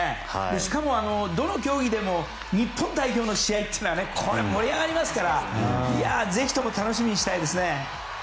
しかも、どの競技でも日本代表の試合というのは盛り上がりますからぜひとも楽しみにしたいですね。